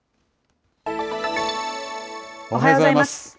おはようございます。